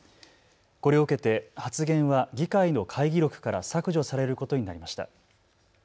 これを受けて発言は議会の会議録から削除されることになりました。